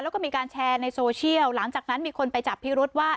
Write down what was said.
แล้วก็มีการแชร์ในโซเชียลหลังจากนั้นมีคนไปจับพิรุษว่า